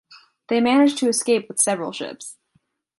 They manage to escape with several ships.